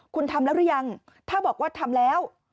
คุณทำแล้วหรือยังถ้าบอกว่าทำแล้ว